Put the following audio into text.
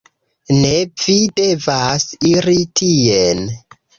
"Ne, vi devas iri tien."